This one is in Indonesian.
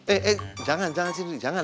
eh eh jangan jangan dwi jangan